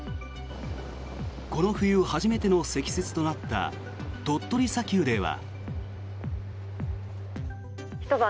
この冬初めての積雪となった鳥取砂丘では。